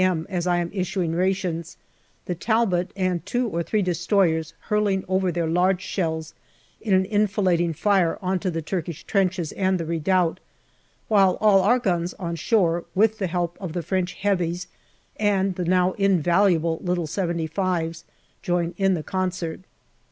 m., as I am issuing rations, the Talbot and two or three destroyers hurling over their large shells in an enfilading fire on to the Turkish trenches and the redoubt, while all our guns on shore, with the help of the French heavies and the now invaluable little " 75's," join in the concert.